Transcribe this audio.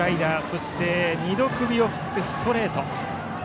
そして、２度首を振ってストレート。